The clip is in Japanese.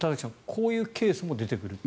こういうケースも出てくると。